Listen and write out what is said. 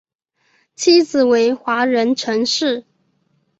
妻子为华人陈氏。